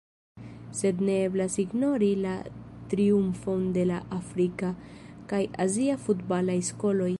Sed ne eblas ignori la triumfon de la afrika kaj azia futbalaj skoloj.